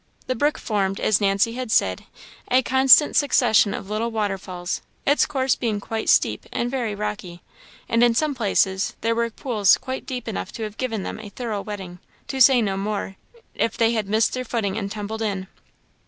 The brook formed, as Nancy had said, a constant succession of little waterfalls, its course being quite steep and very rocky; and in some places there were pools quite deep enough to have given them a thorough wetting, to say no more, if they had missed their footing and tumbled in.